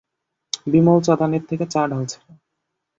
বিমল চাদানি থেকে চা ঢালছিল।